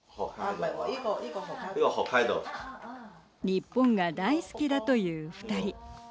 日本が大好きだという２人。